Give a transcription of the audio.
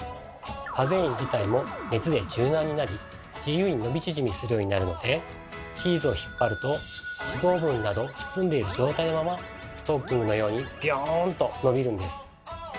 カゼイン自体も熱で柔軟になり自由に伸び縮みするようになるのでチーズをひっぱると脂肪分など包んでいる状態のままストッキングのようにビヨンと伸びるんです。